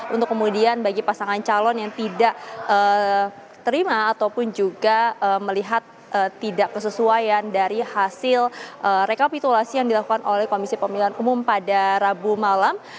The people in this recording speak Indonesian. untuk kemudian bagi pasangan calon yang tidak terima ataupun juga melihat tidak kesesuaian dari hasil rekapitulasi yang dilakukan oleh komisi pemilihan umum pada rabu malam